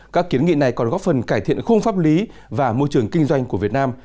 các kiến nghị này còn góp phần cải thiện khung pháp lý và môi trường kinh doanh của việt nam